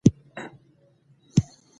بيا يې وويل ګوره زه ټوکې درسره نه کوم.